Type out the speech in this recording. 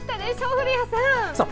古谷さん！